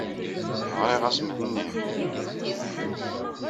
Ɣriɣ-as Mhenni.